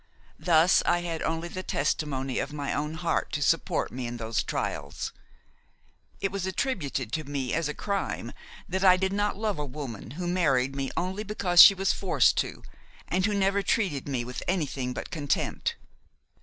Thus I had only the testimony of my own heart to support me in those trials. It was attributed to me as a crime that I did not love a woman who married me only because she was forced to and who never treated me with anything but contempt.